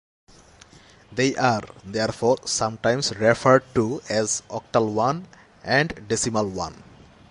They are, therefore, sometimes referred to as "octal I" and "decimal I".